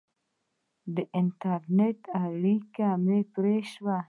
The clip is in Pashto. د انټرنېټ اړیکه مې پرې شوې.